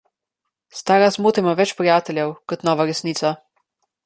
Stara zmota ima več prijateljev kot nova resnica.